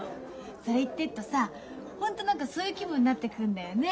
それ言ってっとさホント何かそういう気分になってくんだよね。